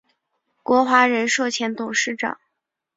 国华人寿前董事长。